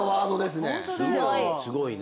すごいね。